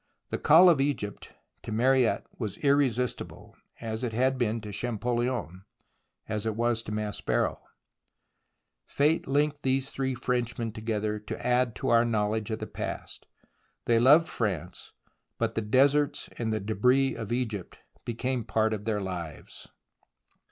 The call of Egypt to Mariette was irresistible, 88 THE ROMANCE OF EXCAVATION as it had been to Champollion, as it was to Maspero, Fate linked these three Frenchmen together to add to our knowledge of the past. They loved France, but the deserts and the debris of Egypt became part of their lives.